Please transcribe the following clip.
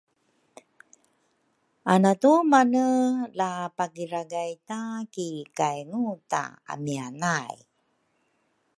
Anatumane la pakiragay ta ki kayngu ta amia nay